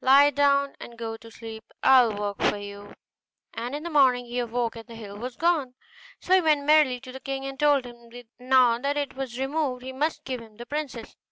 'Lie down and go to sleep; I will work for you.' And in the morning he awoke and the hill was gone; so he went merrily to the king, and told him that now that it was removed he must give him the princess.